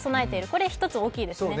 これ、一つ大きいですね。